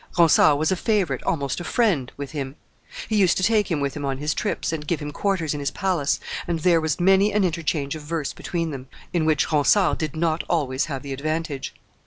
Ronsard was a favorite, almost a friend, with him; he used to take him with him on his trips, and give him quarters in his palace, and there was many an interchange of verse between them, in which Ronsard did not always have the advantage.